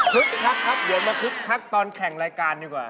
คักครับเดี๋ยวมาคึกคักตอนแข่งรายการดีกว่า